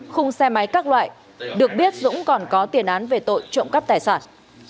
khung xe máy các loại được biết dũng còn có tiền án về tội trộm cắp tài sản